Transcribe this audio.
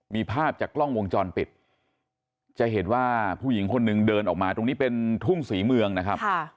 มีภาพจากกล้องวงจรปิดจะเห็นว่าผู้หญิงคนหนึ่งเดินออกมาตรงนี้เป็นทุ่งศรีเมืองนะครับ